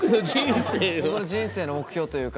僕の人生の目標というか。